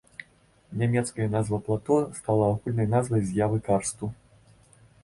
Нямецкая назва плато стала агульнай назвай з'явы карсту.